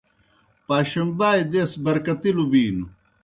پاشُمبائے دیس برکتِلوْ بِینوْ۔